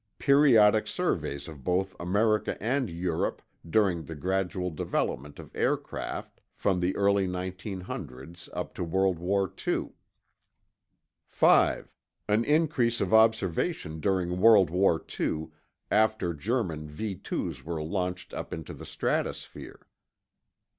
Periodic surveys of both America and Europe during the gradual development of aircraft, from the early 1900's up to World War II. 5. An increase of observation during World War II, after German V 2's were launched up into the stratosphere.